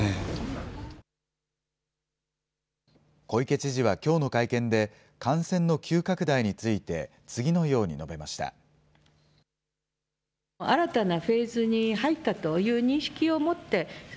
小池知事はきょうの会見で、感染の急拡大について、次のように述べました。